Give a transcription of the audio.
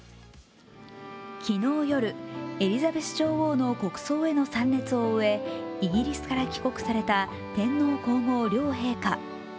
昨日夜、エリザベス女王の国葬への参列を終え、イギリスから帰国された天皇皇后両陛下。